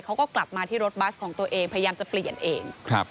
เขาก็กลับมาที่รถบัสของตัวเองพยายามจะเปลี่ยนเอง